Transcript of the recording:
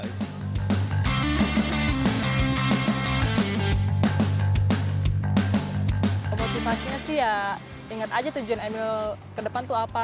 motivasinya sih ya inget aja tujuan emil ke depan tuh apa